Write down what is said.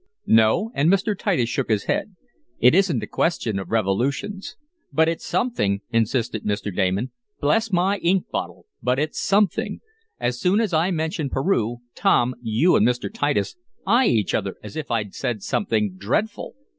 "No," and Mr. Titus shook his head. "It isn't a question of revolutions." "But it's something!" insisted Mr. Damon. "Bless my ink bottle! but it's something. As soon as I mention Peru, Tom, you and Mr. Titus eye each other as if I'd said something dreadful.